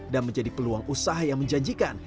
dan menjadi peluang usaha yang menjanjikan